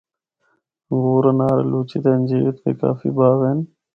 انگور، انار، آلوچے تے انجیر دے کافی باغ ہن۔